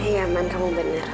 ya non kamu benar